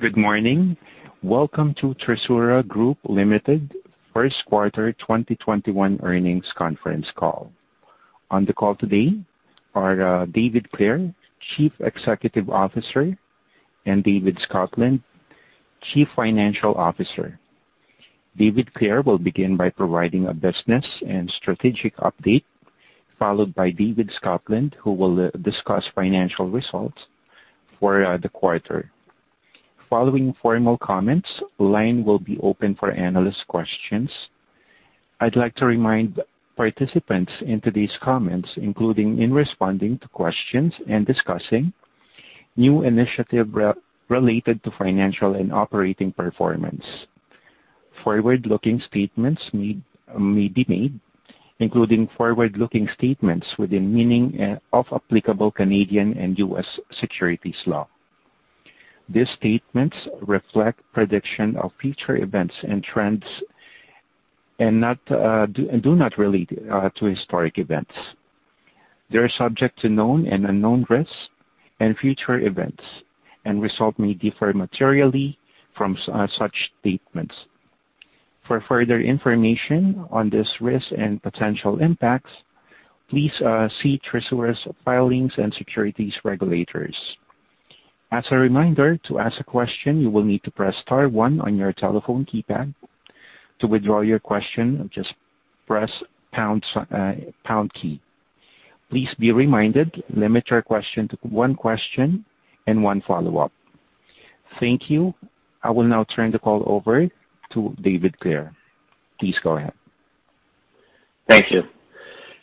Good morning. Welcome to Trisura Group Ltd. First Quarter 2021 earnings conference call. On the call today are David Clare, Chief Executive Officer, and David Scotland, Chief Financial Officer. David Clare will begin by providing a business and strategic update, followed by David Scotland, who will discuss financial results for the quarter. Following formal comments, the line will be open for analyst questions. I'd like to remind participants in today's comments, including in responding to questions and discussing new initiatives related to financial and operating performance. Forward-looking statements may be made, including forward-looking statements within the meaning of applicable Canadian and U.S. securities law. These statements reflect predictions of future events and trends and do not relate to historical events. They are subject to known and unknown risks and future events, and results may differ materially from such statements. For further information on this risk and potential impacts, please see Trisura's filings and securities regulators. As a reminder, to ask a question, you will need to press star one on your telephone keypad. To withdraw your question, just press pound key. Please be reminded, limit your question to one question and one follow-up. Thank you. I will now turn the call over to David Clare. Please go ahead. Thank you.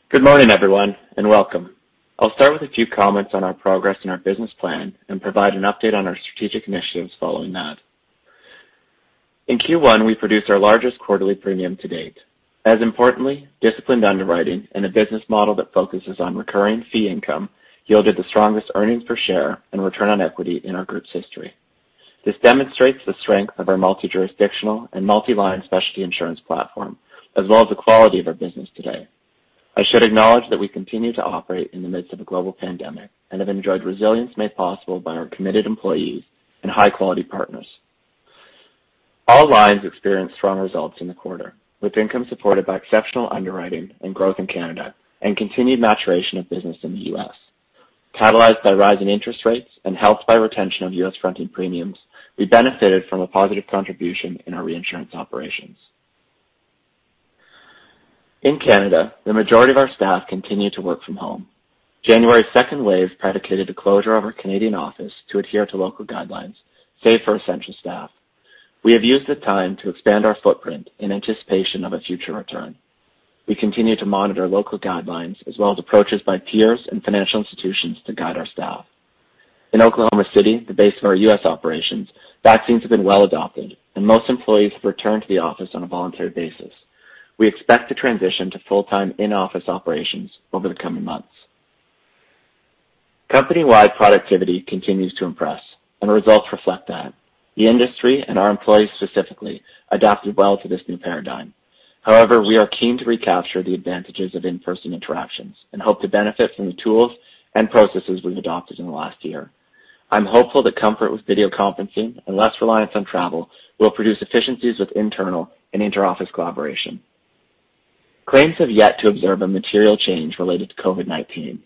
Good morning, everyone, and welcome. I'll start with a few comments on our progress in our business plan and provide an update on our strategic initiatives following that. In Q1, we produced our largest quarterly premium to date. As importantly, disciplined underwriting and a business model that focuses on recurring fee income yielded the strongest earnings per share and return on equity in our group's history. This demonstrates the strength of our multi-jurisdictional and multi-line specialty insurance platform, as well as the quality of our business today. I should acknowledge that we continue to operate in the midst of a global pandemic and have enjoyed resilience made possible by our committed employees and high-quality partners. All lines experienced strong results in the quarter, with income supported by exceptional underwriting and growth in Canada and continued maturation of business in the U.S. Catalyzed by rising interest rates and helped by retention of U.S. fronting premiums, we benefited from a positive contribution in our reinsurance operations. In Canada, the majority of our staff continue to work from home. January's second wave predicated the closure of our Canadian office to adhere to local guidelines, save for essential staff. We have used the time to expand our footprint in anticipation of a future return. We continue to monitor local guidelines as well as approaches by peers and financial institutions to guide our staff. In Oklahoma City, the base of our U.S. operations, vaccines have been well adopted, and most employees have returned to the office on a voluntary basis. We expect to transition to full-time in-office operations over the coming months. Company-wide productivity continues to impress, and results reflect that. The industry and our employees specifically adapted well to this new paradigm. However, we are keen to recapture the advantages of in-person interactions and hope to benefit from the tools and processes we've adopted in the last year. I'm hopeful that comfort with video conferencing and less reliance on travel will produce efficiencies with internal and interoffice collaboration. Claims have yet to observe a material change related to COVID-19.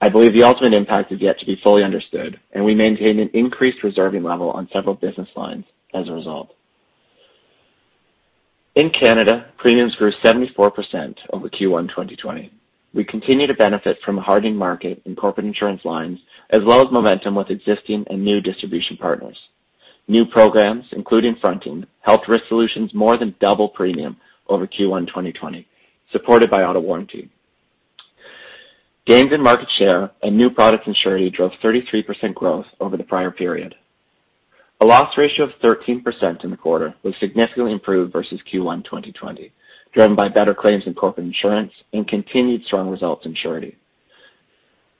I believe the ultimate impact is yet to be fully understood, and we maintain an increased reserving level on several business lines as a result. In Canada, premiums grew 74% over Q1 2020. We continue to benefit from a hardening market in Corporate Insurance lines, as well as momentum with existing and new distribution partners. New programs, including fronting, helped Risk Solutions more than double premium over Q1 2020, supported by auto warranty. Gains in market share and new products in surety drove 33% growth over the prior period. A loss ratio of 13% in the quarter was significantly improved versus Q1 2020, driven by better claims in Corporate Insurance and continued strong results in surety.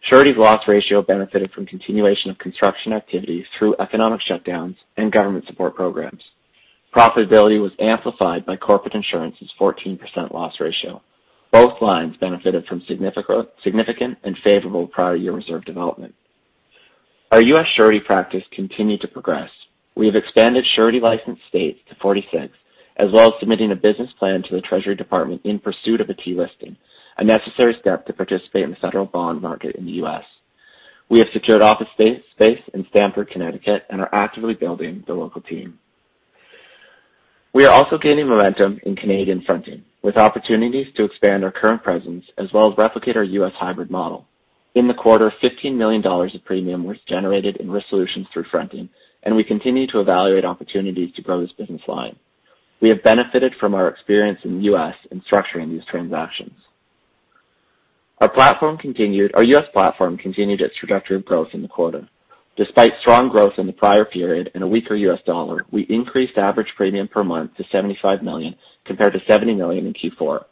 Surety's loss ratio benefited from continuation of construction activities through economic shutdowns and government support programs. Profitability was amplified by Corporate Insurance's 14% loss ratio. Both lines benefited from significant and favorable prior year reserve development. Our U.S. surety practice continued to progress. We have expanded surety license states to 46, as well as submitting a business plan to the Treasury Department in pursuit of a T-listing, a necessary step to participate in the federal bond market in the U.S. We have secured office space in Stamford, Connecticut, and are actively building the local team. We are also gaining momentum in Canadian fronting, with opportunities to expand our current presence as well as replicate our U.S. hybrid model. In the quarter, $15 million of premium was generated in Risk Solutions through fronting, and we continue to evaluate opportunities to grow this business line. We have benefited from our experience in the U.S. in structuring these transactions. Our U.S. platform continued its trajectory of growth in the quarter. Despite strong growth in the prior period and a weaker U.S. dollar, we increased average premium per month to $75 million compared to $70 million in Q4.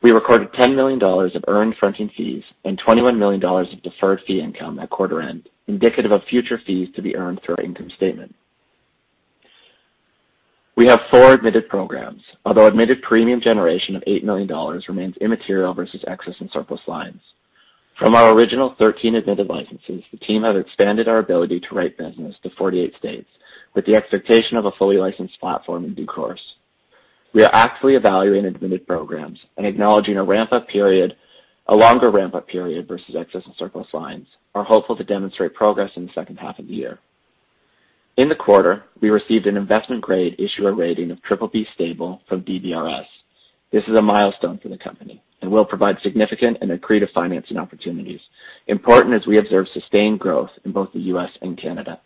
We recorded $10 million of earned fronting fees and $21 million of deferred fee income at quarter end, indicative of future fees to be earned through our income statement. We have four admitted programs. Although admitted premium generation of $8 million remains immaterial versus excess and surplus lines. From our original 13 admitted licenses, the team has expanded our ability to write business to 48 states, with the expectation of a fully licensed platform in due course. Acknowledging a longer ramp-up period versus excess and surplus lines, we are actively evaluating admitted programs. We are hopeful to demonstrate progress in the second half of the year. In the quarter, we received an investment-grade issuer rating of BBB (stable) from DBRS. This is a milestone for the company and will provide significant and accretive financing opportunities, important as we observe sustained growth in both the U.S. and Canada.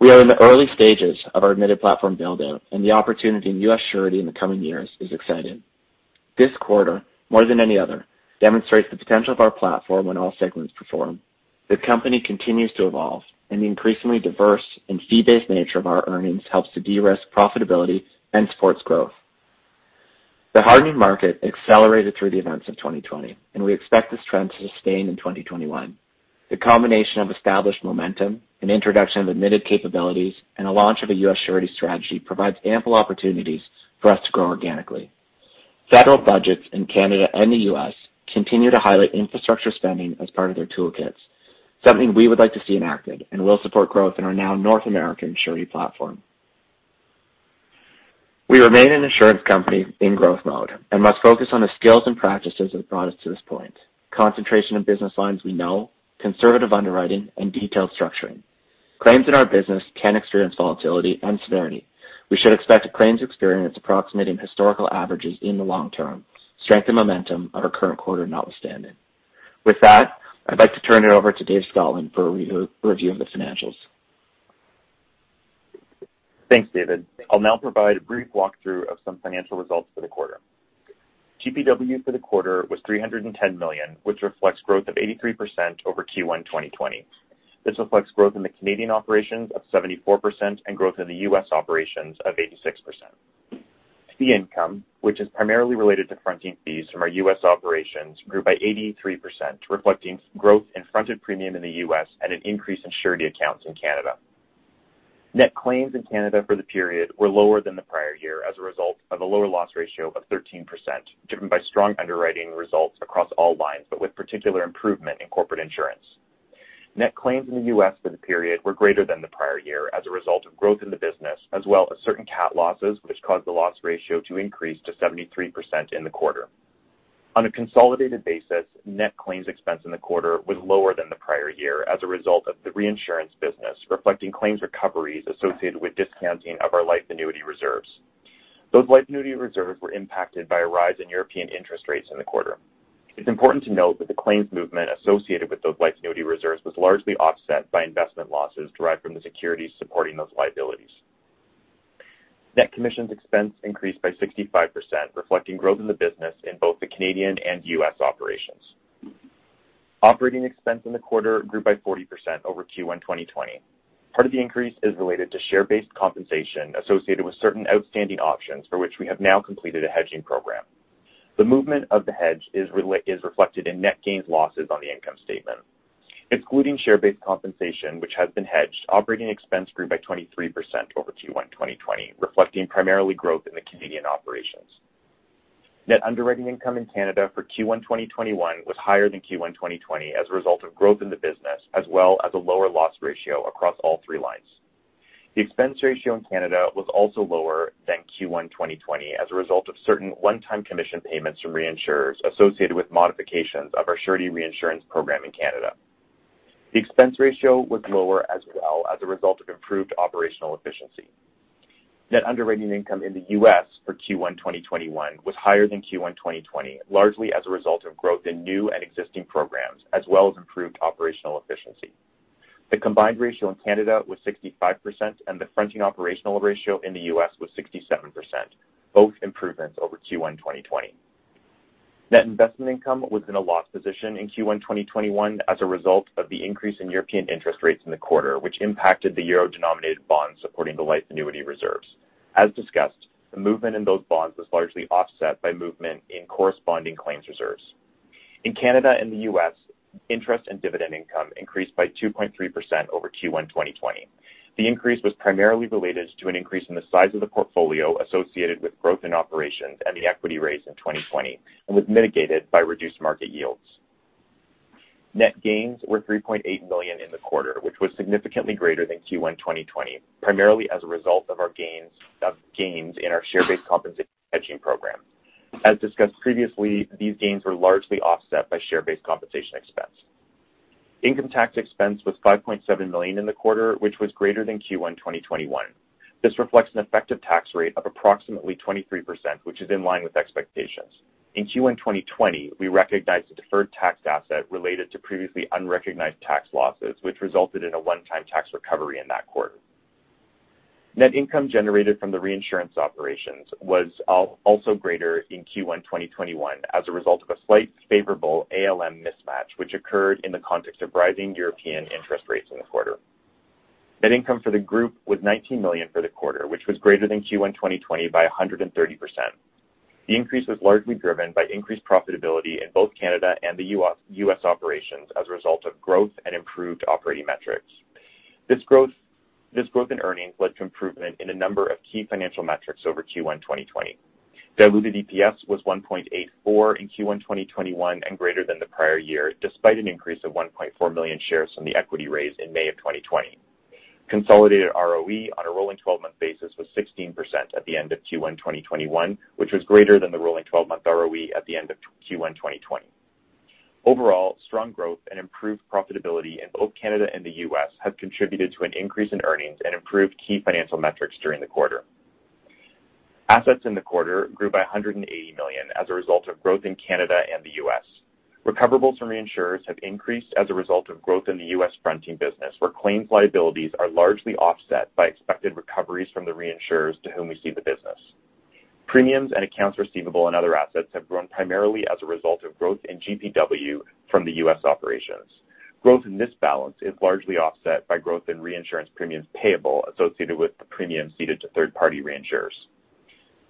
We are in the early stages of our admitted platform build-out, and the opportunity in U.S. surety in the coming years is exciting. This quarter, more than any other, demonstrates the potential of our platform when all segments perform. The company continues to evolve, and the increasingly diverse and fee-based nature of our earnings helps to de-risk profitability and supports growth. The hardening market accelerated through the events of 2020, and we expect this trend to sustain in 2021. The combination of established momentum and introduction of admitted capabilities and a launch of a U.S. surety strategy provides ample opportunities for us to grow organically. Federal budgets in Canada and the U.S. continue to highlight infrastructure spending as part of their toolkits, something we would like to see enacted and will support growth in our now North American surety platform. We remain an insurance company in growth mode and must focus on the skills and practices that brought us to this point. Concentration in business lines we know, conservative underwriting, and detailed structuring. Claims in our business can experience volatility and severity. We should expect a claims experience approximating historical averages in the long term, strength and momentum of our current quarter notwithstanding. With that, I'd like to turn it over to David Scotland for a review of the financials. Thanks, David. I'll now provide a brief walkthrough of some financial results for the quarter. GPW for the quarter was 310 million, which reflects growth of 83% over Q1 2020. This reflects growth in the Canadian operations of 74% and growth in the U.S. operations of 86%. Fee income, which is primarily related to fronting fees from our U.S. operations, grew by 83%, reflecting growth in fronted premium in the U.S. and an increase in surety accounts in Canada. Net claims in Canada for the period were lower than the prior year as a result of a lower loss ratio of 13%, driven by strong underwriting results across all lines, but with particular improvement in Corporate Insurance. Net claims in the U.S. for the period were greater than the prior year as a result of growth in the business, as well as certain cat losses, which caused the loss ratio to increase to 73% in the quarter. On a consolidated basis, net claims expense in the quarter was lower than the prior year as a result of the reinsurance business, reflecting claims recoveries associated with discounting of our life annuity reserves. Those life annuity reserves were impacted by a rise in European interest rates in the quarter. It's important to note that the claims movement associated with those life annuity reserves was largely offset by investment losses derived from the securities supporting those liabilities. Net commissions expense increased by 65%, reflecting growth in the business in both the Canadian and U.S. operations. Operating expense in the quarter grew by 40% over Q1 2020. Part of the increase is related to share-based compensation associated with certain outstanding options, for which we have now completed a hedging program. The movement of the hedge is reflected in net gains losses on the income statement. Excluding share-based compensation, which has been hedged, operating expense grew by 23% over Q1 2020, reflecting primarily growth in the Canadian operations. Net underwriting income in Canada for Q1 2021 was higher than Q1 2020 as a result of growth in the business, as well as a lower loss ratio across all three lines. The expense ratio in Canada was also lower than Q1 2020 as a result of certain one-time commission payments from reinsurers associated with modifications of our surety reinsurance program in Canada. The expense ratio was lower as well as a result of improved operational efficiency. Net underwriting income in the U.S. for Q1 2021 was higher than Q1 2020, largely as a result of growth in new and existing programs, as well as improved operational efficiency. The combined ratio in Canada was 65%, and the fronting operational ratio in the U.S. was 67%, both improvements over Q1 2020. Net investment income was in a loss position in Q1 2021 as a result of the increase in European interest rates in the quarter, which impacted the euro-denominated bonds supporting the life annuity reserves. As discussed, the movement in those bonds was largely offset by movement in corresponding claims reserves. In Canada and the U.S., interest and dividend income increased by 2.3% over Q1 2020. The increase was primarily related to an increase in the size of the portfolio associated with growth in operations and the equity raise in 2020 and was mitigated by reduced market yields. Net gains were 3.8 million in the quarter, which was significantly greater than Q1 2020, primarily as a result of gains in our share-based compensation hedging program. As discussed previously, these gains were largely offset by share-based compensation expense. Income tax expense was 5.7 million in the quarter, which was greater than Q1 2021. This reflects an effective tax rate of approximately 23%, which is in line with expectations. In Q1 2020, we recognized a deferred tax asset related to previously unrecognized tax losses, which resulted in a one-time tax recovery in that quarter. Net income generated from the reinsurance operations was also greater in Q1 2021 as a result of a slight favorable ALM mismatch, which occurred in the context of rising European interest rates in the quarter. Net income for the group was CAD 19 million for the quarter, which was greater than Q1 2020 by 130%. The increase was largely driven by increased profitability in both Canada and the U.S. operations as a result of growth and improved operating metrics. This growth in earnings led to improvement in a number of key financial metrics over Q1 2020. Diluted EPS was 1.84 in Q1 2021 and greater than the prior year, despite an increase of 1.4 million shares from the equity raise in May of 2020. Consolidated ROE on a rolling 12-month basis was 16% at the end of Q1 2021, which was greater than the rolling 12-month ROE at the end of Q1 2020. Overall, strong growth and improved profitability in both Canada and the U.S. have contributed to an increase in earnings and improved key financial metrics during the quarter. Assets in the quarter grew by 180 million as a result of growth in Canada and the U.S. Recoverables from reinsurers have increased as a result of growth in the U.S. fronting business, where claims liabilities are largely offset by expected recoveries from the reinsurers to whom we cede the business. Premiums and accounts receivable and other assets have grown primarily as a result of growth in GPW from the U.S. operations. Growth in this balance is largely offset by growth in reinsurance premiums payable associated with the premiums ceded to third-party reinsurers.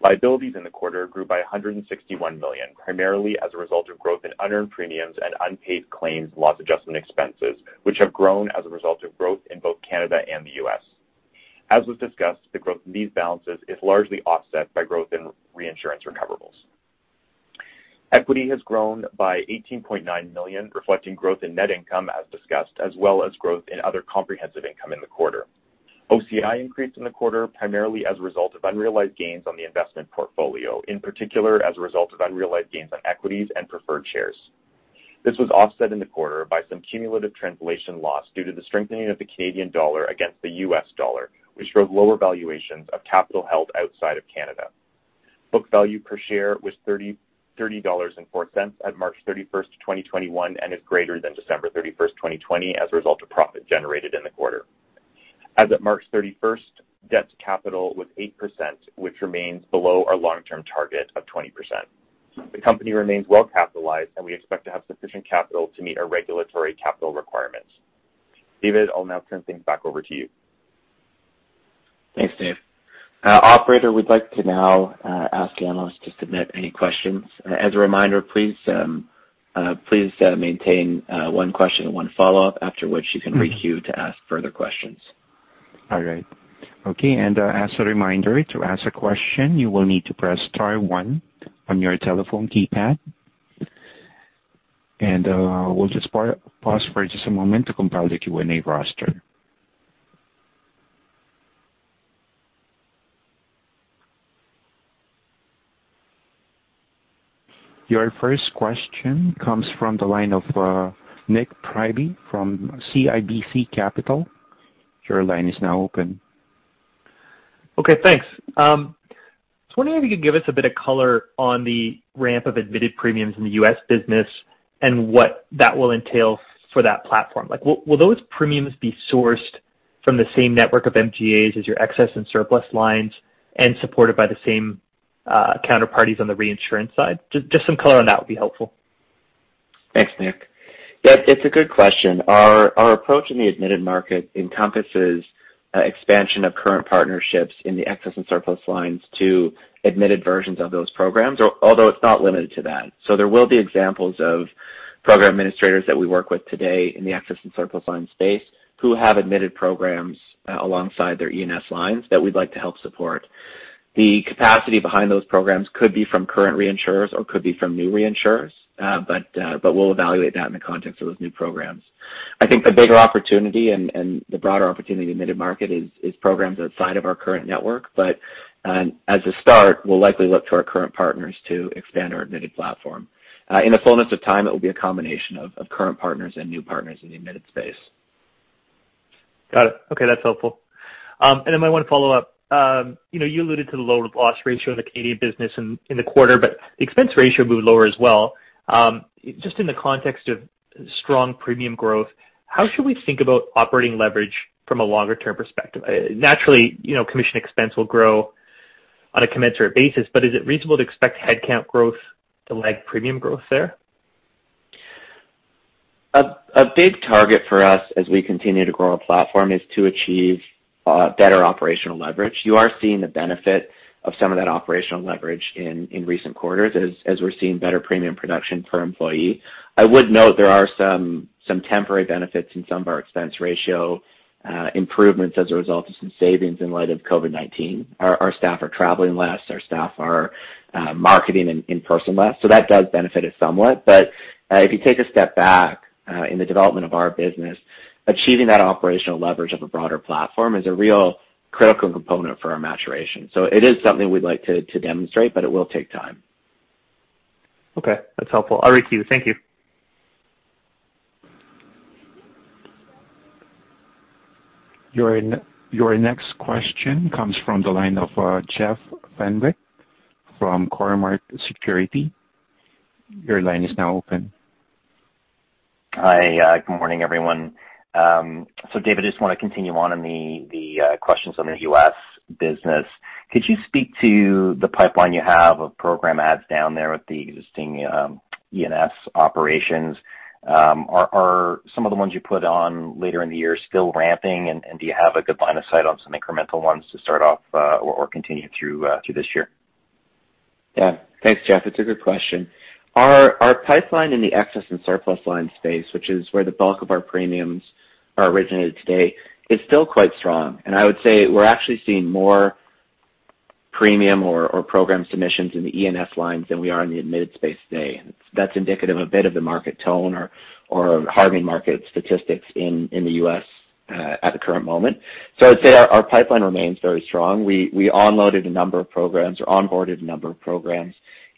Liabilities in the quarter grew by 161 million, primarily as a result of growth in unearned premiums and unpaid claims and loss adjustment expenses, which have grown as a result of growth in both Canada and the U.S. As was discussed, the growth in these balances is largely offset by growth in reinsurance recoverables. Equity has grown by 18.9 million, reflecting growth in net income as discussed, as well as growth in Other Comprehensive Income in the quarter. OCI increased in the quarter primarily as a result of unrealized gains on the investment portfolio, in particular as a result of unrealized gains on equities and preferred shares. This was offset in the quarter by some cumulative translation loss due to the strengthening of the Canadian dollar against the US dollar, which showed lower valuations of capital held outside of Canada. Book value per share was 30.04 dollars at March 31, 2021, and is greater than December 31, 2020, as a result of profit generated in the quarter. As of March 31, debt to capital was 8%, which remains below our long-term target of 20%. The company remains well capitalized, and we expect to have sufficient capital to meet our regulatory capital requirements. David, I'll now turn things back over to you. Thanks, Dave. Operator, we'd like to now ask the analysts to submit any questions. As a reminder, please maintain one question and one follow-up, after which you can re-queue to ask further questions. All right. Okay. As a reminder, to ask a question, you will need to press star one on your telephone keypad. We'll just pause for just a moment to compile the Q&A roster. Your first question comes from the line of Nik Priebe from CIBC Capital. Your line is now open. Okay, thanks. I was wondering if you could give us a bit of color on the ramp of admitted premiums in the U.S. business and what that will entail for that platform. Will those premiums be sourced from the same network of MGAs as your excess and surplus lines and supported by the same counterparties on the reinsurance side? Just some color on that would be helpful. Thanks, Nik. Yes, it's a good question. Our approach in the admitted market encompasses expansion of current partnerships in the excess and surplus lines to admitted versions of those programs, although it's not limited to that. There will be examples of program administrators that we work with today in the excess and surplus lines space who have admitted programs alongside their E&S lines that we'd like to help support. The capacity behind those programs could be from current reinsurers or could be from new reinsurers, we'll evaluate that in the context of those new programs. I think the bigger opportunity and the broader opportunity in the admitted market is programs outside of our current network. As a start, we'll likely look to our current partners to expand our admitted platform. In the fullness of time, it will be a combination of current partners and new partners in the admitted space. Got it. Okay, that's helpful. I might want to follow up. You alluded to the lower loss ratio in the Canadian business in the quarter, but the expense ratio moved lower as well. In the context of strong premium growth, how should we think about operating leverage from a longer-term perspective? Naturally, commission expense will grow on a commensurate basis, but is it reasonable to expect headcount growth to lag premium growth there? A big target for us as we continue to grow our platform is to achieve better operational leverage. You are seeing the benefit of some of that operational leverage in recent quarters as we're seeing better premium production per employee. I would note there are some temporary benefits in some of our expense ratio improvements as a result of some savings in light of COVID-19. Our staff are traveling less, our staff are marketing in person less. That does benefit us somewhat. If you take a step back in the development of our business, achieving that operational leverage of a broader platform is a real critical component for our maturation. It is something we'd like to demonstrate, but it will take time. Okay, that's helpful. I'll re-queue. Thank you. Your next question comes from the line of Jeff Fenwick from Cormark Securities. Your line is now open. Hi. Good morning, everyone. David, I just want to continue on in the questions on the U.S. business. Could you speak to the pipeline you have of program adds down there with the existing E&S operations? Are some of the ones you put on later in the year still ramping, and do you have a good line of sight on some incremental ones to start off or continue through this year? Yeah. Thanks, Jeff. It's a good question. Our pipeline in the excess and surplus lines space, which is where the bulk of our premiums are originated today, is still quite strong. I would say we're actually seeing more premium or program submissions in the E&S lines than we are in the admitted space today. That's indicative a bit of the market tone or hardening market statistics in the U.S. at the current moment. I'd say our pipeline remains very strong. We onboarded a number of programs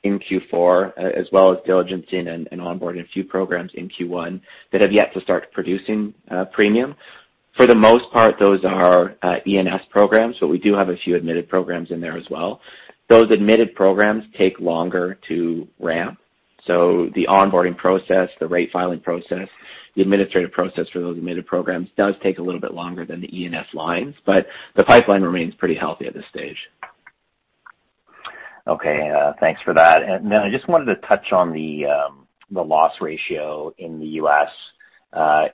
in Q4, as well as diligencing and onboarding a few programs in Q1 that have yet to start producing premium. For the most part, those are E&S programs, but we do have a few admitted programs in there as well. Those admitted programs take longer to ramp. The onboarding process, the rate filing process, the administrative process for those admitted programs does take a little bit longer than the E&S lines. The pipeline remains pretty healthy at this stage. Okay, thanks for that. I just wanted to touch on the loss ratio in the U.S.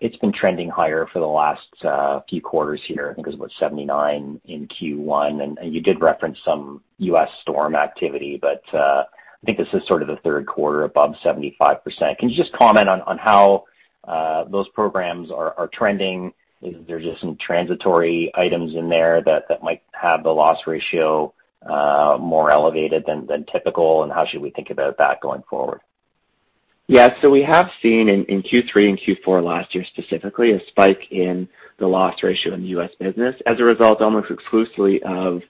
It's been trending higher for the last few quarters here. I think it was about 79 in Q1, and you did reference some U.S. storm activity, but I think this is sort of the third quarter above 75%. Can you just comment on how those programs are trending? Is there just some transitory items in there that might have the loss ratio more elevated than typical, and how should we think about that going forward? Yeah. We have seen in Q3 and Q4 last year, specifically, a spike in the loss ratio in the U.S. business as a result, almost exclusively of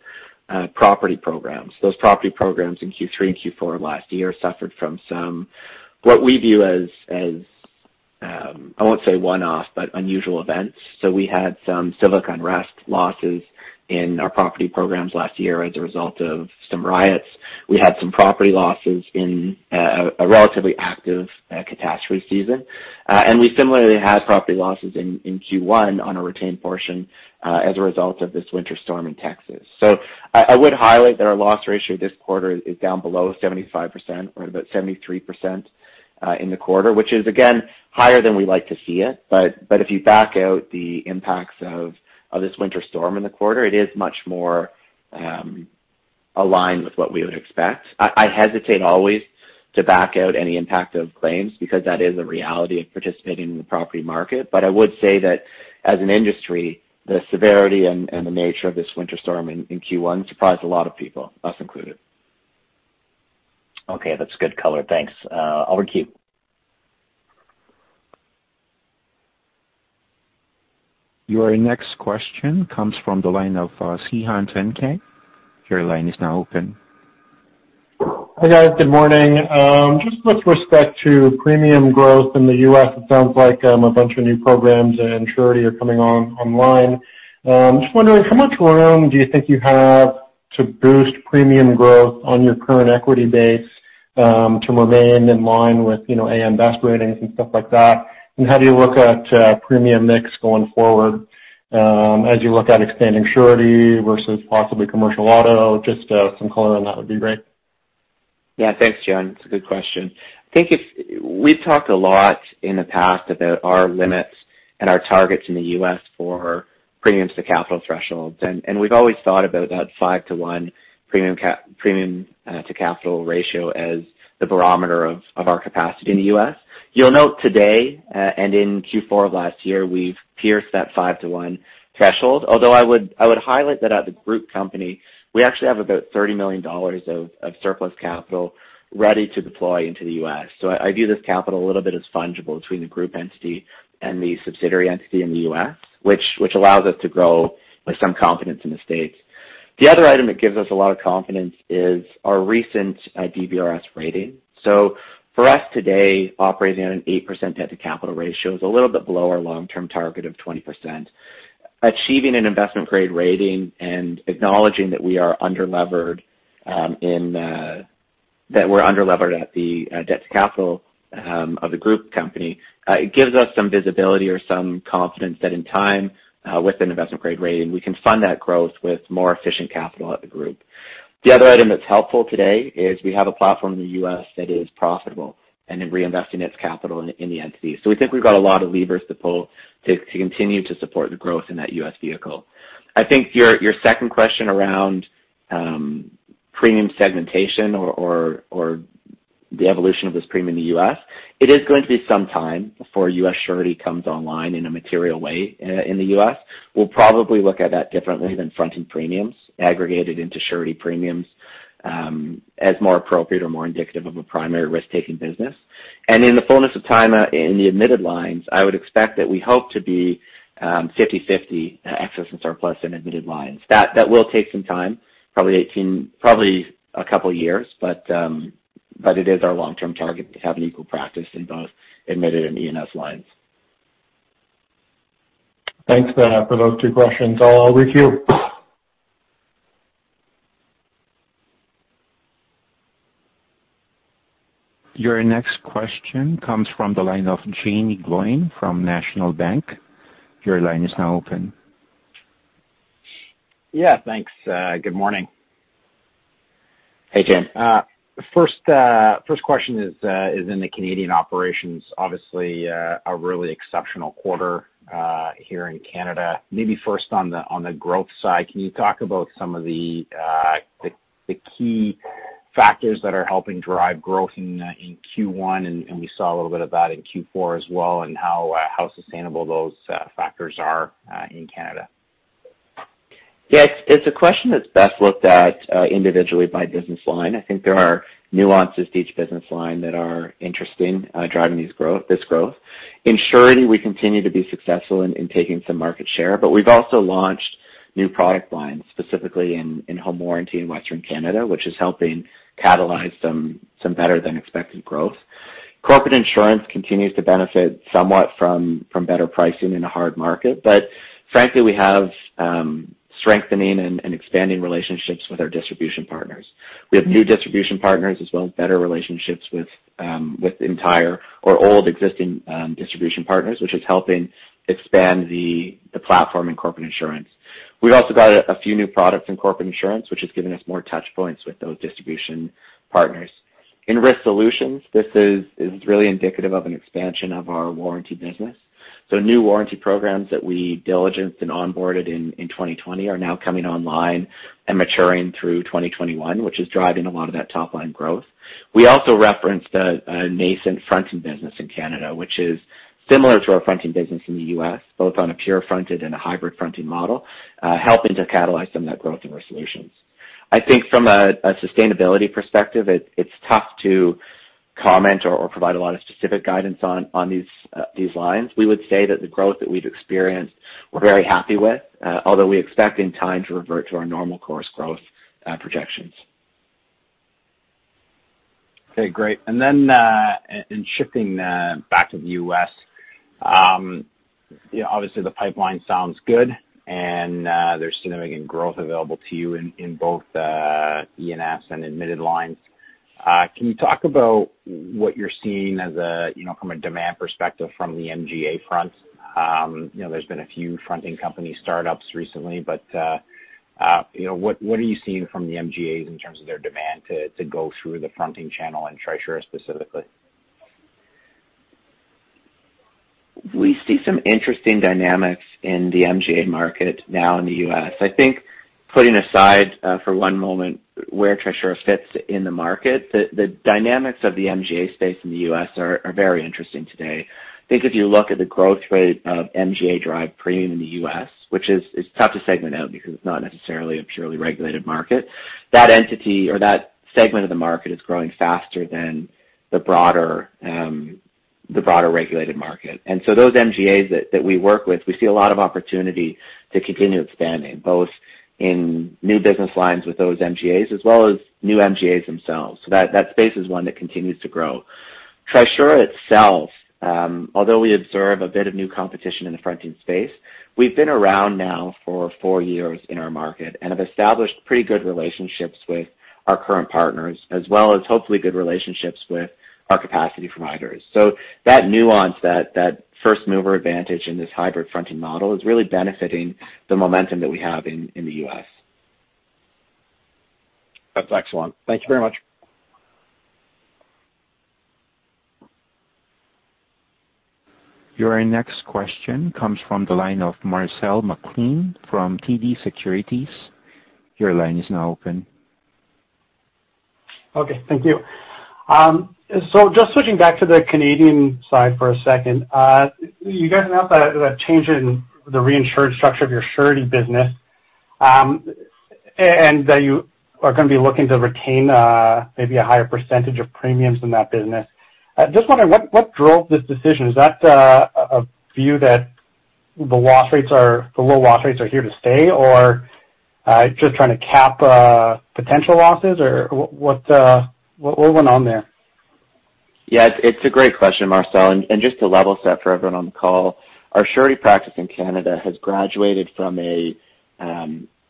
property programs. Those property programs in Q3 and Q4 last year suffered from some, what we view as, I won't say one-off, but unusual events. We had some civic unrest losses in our property programs last year as a result of some riots. We had some property losses in a relatively active catastrophe season. We similarly had property losses in Q1 on a retained portion as a result of this Winter Storm Uri in Texas. I would highlight that our loss ratio this quarter is down below 75%, or about 73% in the quarter, which is, again, higher than we like to see it. If you back out the impacts of this winter storm in the quarter, it is much more aligned with what we would expect. I hesitate always to back out any impact of claims because that is a reality of participating in the property market. I would say that as an industry, the severity and the nature of this winter storm in Q1 surprised a lot of people, us included. Okay, that's good color. Thanks. Over to you. Your next question comes from the line of Stephen Boland. Your line is now open. Hi, guys. Good morning. Just with respect to premium growth in the U.S., it sounds like a bunch of new programs and surety are coming online. Just wondering how much room do you think you have to boost premium growth on your current equity base to remain in line with AM Best ratings and stuff like that? How do you look at premium mix going forward as you look at expanding surety versus possibly commercial auto? Just some color on that would be great. Thanks, Stephen. It's a good question. I think we've talked a lot in the past about our limits and our targets in the U.S. for premiums to capital thresholds, we've always thought about that 5:1 premium to capital ratio as the barometer of our capacity in the U.S. You'll note today, in Q4 2020, we've pierced that 5:1 threshold. Although I would highlight that at the group company, we actually have about 30 million dollars of surplus capital ready to deploy into the U.S. I view this capital a little bit as fungible between the group entity and the subsidiary entity in the U.S., which allows us to grow with some confidence in the States. The other item that gives us a lot of confidence is our recent DBRS rating. For us today, operating at an 8% debt to capital ratio is a little bit below our long-term target of 20%. Achieving an investment grade rating and acknowledging that we're under-levered at the debt to capital of the group company gives us some visibility or some confidence that in time, with an investment grade rating, we can fund that growth with more efficient capital at the group. The other item that's helpful today is we have a platform in the U.S. that is profitable and is reinvesting its capital in the entity. We think we've got a lot of levers to pull to continue to support the growth in that U.S. vehicle. I think your second question around premium segmentation or the evolution of this premium in the U.S., it is going to be some time before U.S. surety comes online in a material way in the U.S. We'll probably look at that differently than fronting premiums aggregated into surety premiums as more appropriate or more indicative of a primary risk-taking business. In the fullness of time in the admitted lines, I would expect that we hope to be 50/50 excess and surplus lines in admitted lines. That will take some time, probably a couple of years, but it is our long-term target to have an equal practice in both admitted and E&S lines. Thanks for those two questions. I'll re-queue. Your next question comes from the line of Jaeme Gloyn from National Bank. Your line is now open. Yeah, thanks. Good morning. Hey, Jaeme. First question is in the Canadian operations. Obviously, a really exceptional quarter here in Canada. Maybe first on the growth side, can you talk about some of the key factors that are helping drive growth in Q1, and we saw a little bit of that in Q4 as well, and how sustainable those factors are in Canada. Yes, it's a question that's best looked at individually by business line. I think there are nuances to each business line that are interesting, driving this growth. In surety, we continue to be successful in taking some market share, but we've also launched new product lines, specifically in home warranty in Western Canada, which is helping catalyze some better than expected growth. Corporate Insurance continues to benefit somewhat from better pricing in a hard market. Frankly, we have strengthening and expanding relationships with our distribution partners. We have new distribution partners as well as better relationships with entire or old existing distribution partners, which is helping expand the platform in Corporate Insurance. We've also got a few new products in Corporate Insurance, which has given us more touchpoints with those distribution partners. In Risk Solutions, this is really indicative of an expansion of our warranty business. New warranty programs that we diligenced and onboarded in 2020 are now coming online and maturing through 2021, which is driving a lot of that top-line growth. We also referenced a nascent fronting business in Canada, which is similar to our fronting business in the U.S., both on a pure fronted and a hybrid fronting model, helping to catalyze some of that growth in Risk Solutions. I think from a sustainability perspective, it's tough to comment or provide a lot of specific guidance on these lines. We would say that the growth that we've experienced, we're very happy with, although we expect in time to revert to our normal course growth projections. Okay, great. In shifting back to the U.S., obviously the pipeline sounds good and there's significant growth available to you in both E&S and admitted lines. Can you talk about what you're seeing from a demand perspective from the MGA front? There's been a few fronting company startups recently, but what are you seeing from the MGAs in terms of their demand to go through the fronting channel and Trisura specifically? We see some interesting dynamics in the MGA market now in the U.S. I think putting aside for one moment where Trisura fits in the market, the dynamics of the MGA space in the U.S. are very interesting today. I think if you look at the growth rate of MGA-derived premium in the U.S., which is tough to segment out because it's not necessarily a purely regulated market, that entity or that segment of the market is growing faster than the broader regulated market. Those MGAs that we work with, we see a lot of opportunity to continue expanding, both in new business lines with those MGAs as well as new MGAs themselves. That space is one that continues to grow. Trisura itself, although we observe a bit of new competition in the fronting space, we've been around now for four years in our market and have established pretty good relationships with our current partners, as well as hopefully good relationships with our capacity providers. That nuance, that first-mover advantage in this hybrid fronting model is really benefiting the momentum that we have in the U.S. That's excellent. Thank you very much. Your next question comes from the line of Mario Mendonca from TD Securities. Your line is now open. Okay. Thank you. Just switching back to the Canadian side for a second. You guys announced that change in the reinsured structure of your surety business, and that you are going to be looking to retain maybe a higher percentage of premiums in that business. I'm just wondering what drove this decision? Is that a view that the low loss rates are here to stay, or just trying to cap potential losses? What went on there? Yeah, it's a great question, Mario Mendonca. Just to level set for everyone on the call, our surety practice in Canada has graduated from a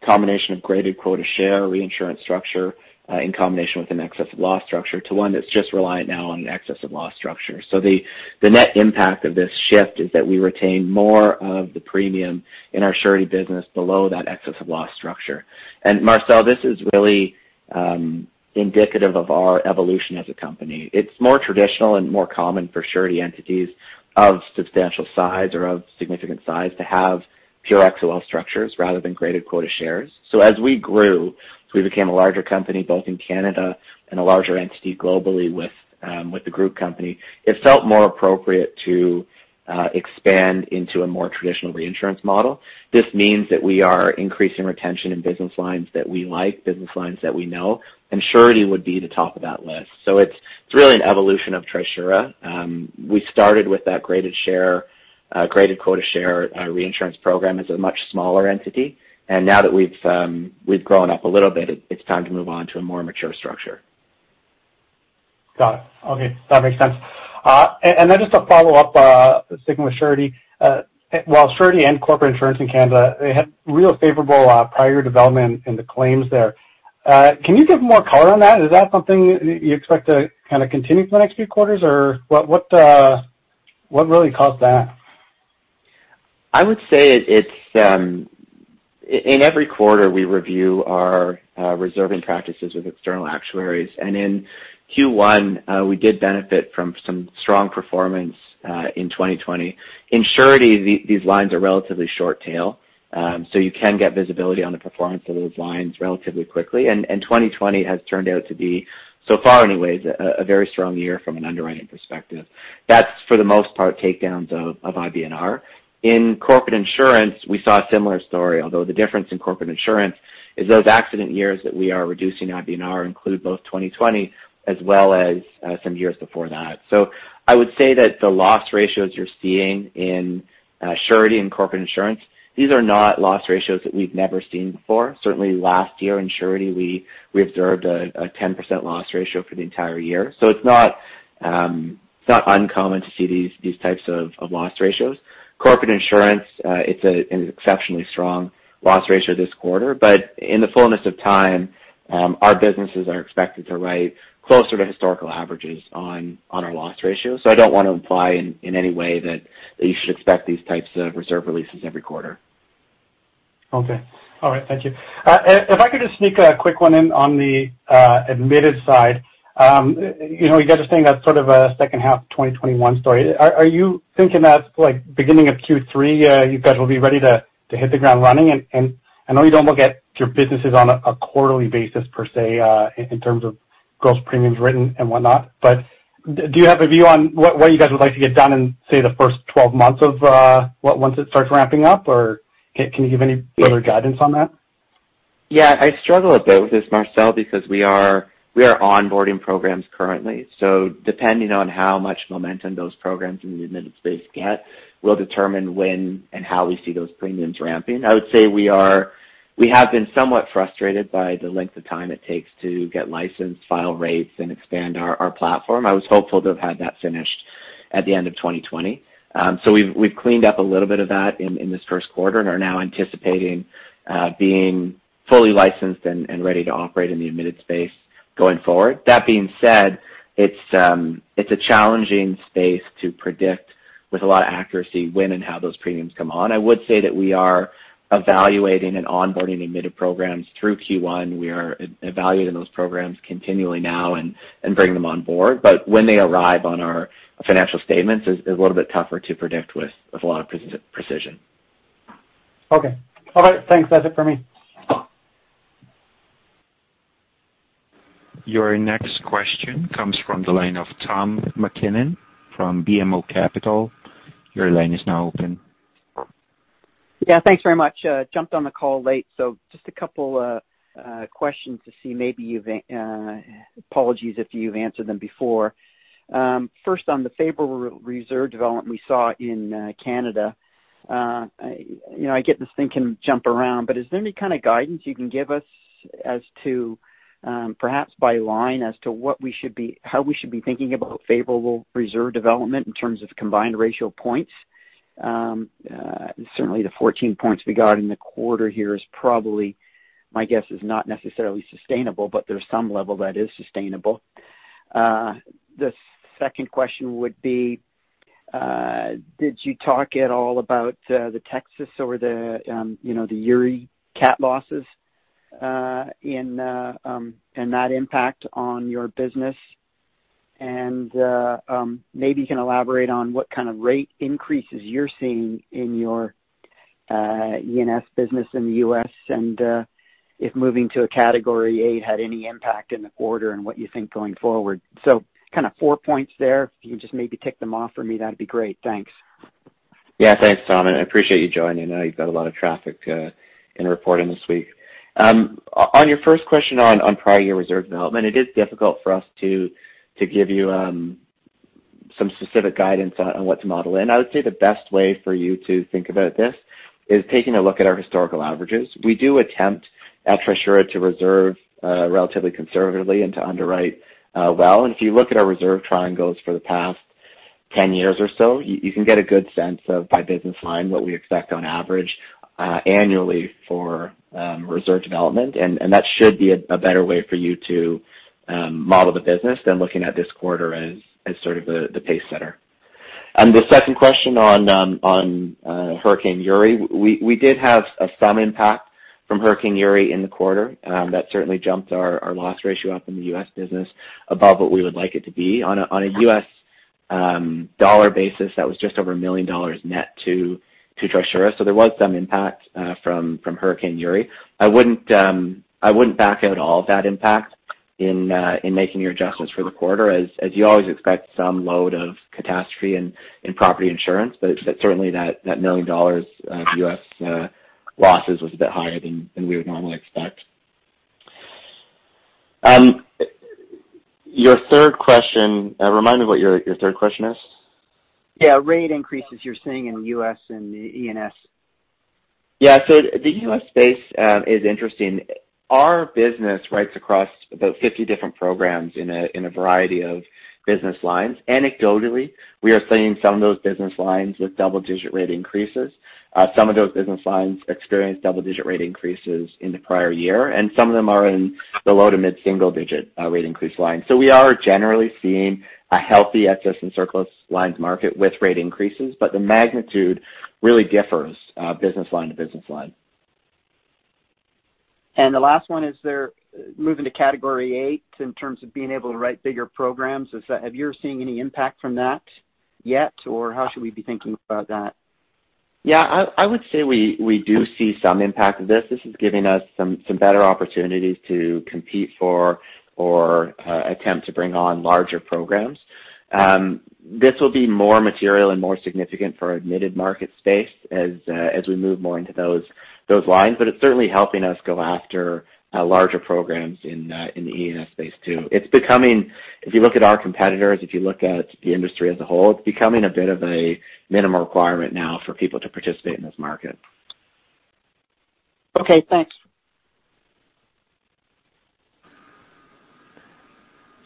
combination of graded quota share reinsurance structure, in combination with an excess of loss structure, to one that's just reliant now on an excess of loss structure. The net impact of this shift is that we retain more of the premium in our surety business below that excess of loss structure. Mario Mendonca, this is really indicative of our evolution as a company. It's more traditional and more common for surety entities of substantial size or of significant size to have pure XOL structures rather than graded quota shares. As we grew, as we became a larger company both in Canada and a larger entity globally with the group company, it felt more appropriate to expand into a more traditional reinsurance model. This means that we are increasing retention in business lines that we like, business lines that we know, and surety would be the top of that list. It's really an evolution of Trisura. We started with that graded quota share reinsurance program as a much smaller entity, and now that we've grown up a little bit, it's time to move on to a more mature structure. Got it. Okay. That makes sense. Just to follow up, sticking with surety. Well, surety and Corporate Insurance in Canada, they had real favorable prior development in the claims there. Can you give more color on that? Is that something you expect to kind of continue for the next few quarters? What really caused that? I would say in every quarter, we review our reserving practices with external actuaries. In Q1, we did benefit from some strong performance in 2020. In surety, these lines are relatively short tail, so you can get visibility on the performance of those lines relatively quickly, and 2020 has turned out to be, so far anyways, a very strong year from an underwriting perspective. That's for the most part takedowns of IBNR. In Corporate Insurance, we saw a similar story, although the difference in Corporate Insurance is those accident years that we are reducing IBNR include both 2020 as well as some years before that. I would say that the loss ratios you're seeing in surety and Corporate Insurance, these are not loss ratios that we've never seen before. Certainly last year in surety, we observed a 10% loss ratio for the entire year. It's not uncommon to see these types of loss ratios. Corporate Insurance, it's an exceptionally strong loss ratio this quarter, but in the fullness of time, our businesses are expected to write closer to historical averages on our loss ratio. I don't want to imply in any way that you should expect these types of reserve releases every quarter. Okay. All right. Thank you. If I could just sneak a quick one in on the admitted side. You guys are saying that's sort of a second half 2021 story. Are you thinking that beginning of Q3 you guys will be ready to hit the ground running? I know you don't look at your businesses on a quarterly basis per se in terms of gross premiums written and whatnot, but do you have a view on what you guys would like to get done in, say, the first 12 months of once it starts ramping up? Can you give any further guidance on that? Yeah, I struggle a bit with this, Mario Mendonca, because we are onboarding programs currently. Depending on how much momentum those programs in the admitted space get will determine when and how we see those premiums ramping. I would say we have been somewhat frustrated by the length of time it takes to get licensed, file rates, and expand our platform. I was hopeful to have had that finished at the end of 2020. We've cleaned up a little bit of that in this first quarter and are now anticipating being fully licensed and ready to operate in the admitted space going forward. That being said, it's a challenging space to predict with a lot of accuracy when and how those premiums come on. I would say that we are evaluating and onboarding admitted programs through Q1. We are evaluating those programs continually now and bring them on board. When they arrive on our financial statements is a little bit tougher to predict with a lot of precision. Okay. All right, thanks. That's it for me. Your next question comes from the line of Tom MacKinnon from BMO Capital. Your line is now open. Thanks very much. Jumped on the call late, so just a couple questions to see maybe apologies if you've answered them before. First, on the favorable reserve development we saw in Canada. I get this thing can jump around, but is there any kind of guidance you can give us as to perhaps by line as to how we should be thinking about favorable reserve development in terms of combined ratio points? Certainly, the 14 points we got in the quarter here is probably, my guess, is not necessarily sustainable, but there's some level that is sustainable. The second question would be did you talk at all about the Texas or the Uri cat losses and that impact on your business? Maybe you can elaborate on what kind of rate increases you're seeing in your E&S business in the U.S., and if moving to a Category VIII had any impact in the quarter and what you think going forward. Kind of four points there. If you can just maybe tick them off for me, that'd be great. Thanks. Thanks, Tom, and I appreciate you joining. I know you've got a lot of traffic in reporting this week. On your first question on prior year reserve development, it is difficult for us to give you some specific guidance on what to model in. I would say the best way for you to think about this is taking a look at our historical averages. We do attempt at Trisura to reserve relatively conservatively and to underwrite well. If you look at our reserve triangles for the past 10 years or so, you can get a good sense of by business line what we expect on average annually for reserve development, and that should be a better way for you to model the business than looking at this quarter as sort of the pacesetter. The second question on Winter Storm Uri, we did have some impact from Winter Storm Uri in the quarter. That certainly jumped our loss ratio up in the U.S. business above what we would like it to be. On a U.S. dollar basis, that was just over $1 million net to Trisura. There was some impact from Winter Storm Uri. I wouldn't back out all of that impact in making your adjustments for the quarter, as you always expect some load of catastrophe in property insurance. Certainly that $1 million of U.S. losses was a bit higher than we would normally expect. Your third question, remind me what your third question is. Yeah, rate increases you're seeing in the U.S. and the E&S. Yeah, the U.S. space is interesting. Our business writes across about 50 different programs in a variety of business lines. Anecdotally, we are seeing some of those business lines with double-digit rate increases. Some of those business lines experienced double-digit rate increases in the prior year, some of them are in the low- to mid-single-digit rate increase line. We are generally seeing a healthy excess and surplus lines market with rate increases, the magnitude really differs business line to business line. The last one is they're moving to Category VIII in terms of being able to write bigger programs. Have you seen any impact from that yet, or how should we be thinking about that? Yeah, I would say we do see some impact of this. This is giving us some better opportunities to compete for or attempt to bring on larger programs. This will be more material and more significant for our admitted market space as we move more into those lines. It's certainly helping us go after larger programs in the E&S space, too. If you look at our competitors, if you look at the industry as a whole, it's becoming a bit of a minimal requirement now for people to participate in this market. Okay, thanks.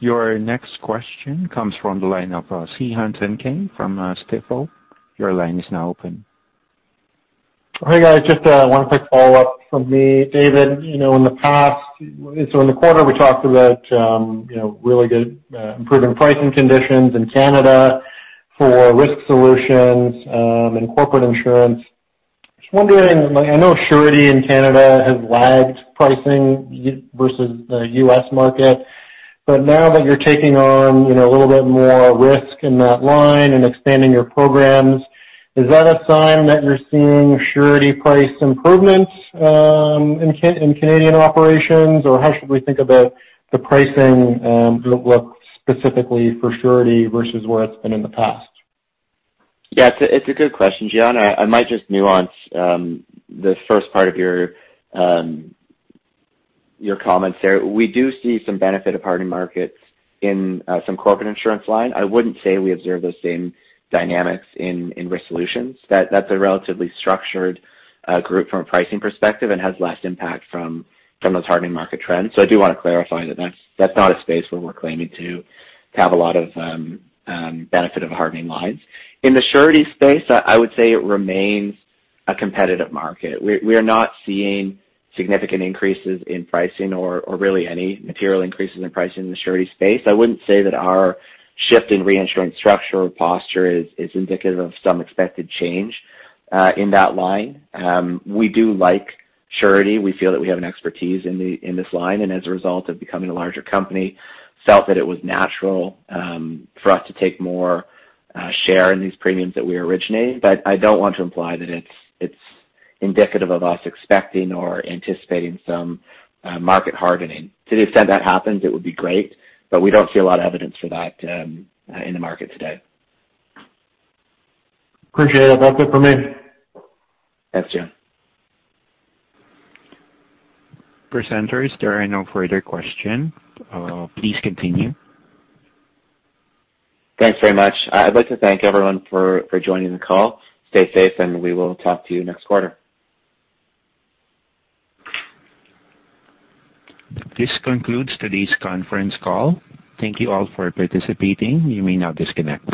Your next question comes from the line of Stephen Boland from Stifel. Your line is now open. Hey, guys. Just one quick follow-up from me. David, in the quarter, we talked about really good improving pricing conditions in Canada for Risk Solutions and Corporate Insurance. Just wondering, I know surety in Canada has lagged pricing versus the U.S. market, but now that you're taking on a little bit more risk in that line and expanding your programs, is that a sign that you're seeing surety price improvements in Canadian operations? How should we think about the pricing outlook specifically for surety versus where it's been in the past? Yeah, it's a good question, Stephen. I might just nuance the first part of your comments there. We do see some benefit of hardening markets in some Corporate Insurance line. I wouldn't say we observe those same dynamics in Risk Solutions. That's a relatively structured group from a pricing perspective and has less impact from those hardening market trends. I do want to clarify that that's not a space where we're claiming to have a lot of benefit of hardening lines. In the surety space, I would say it remains a competitive market. We are not seeing significant increases in pricing or really any material increases in pricing in the surety space. I wouldn't say that our shift in reinsurance structure or posture is indicative of some expected change in that line. We do like surety. We feel that we have an expertise in this line and as a result of becoming a larger company, felt that it was natural for us to take more share in these premiums that we originate. I don't want to imply that it's indicative of us expecting or anticipating some market hardening. To the extent that happens, it would be great, but we don't see a lot of evidence for that in the market today. Appreciate it. That's it for me. Thanks, Stephen Boland. Presenters, there are no further questions. Please continue. Thanks very much. I'd like to thank everyone for joining the call. Stay safe, and we will talk to you next quarter. This concludes today's conference call. Thank you all for participating. You may now disconnect.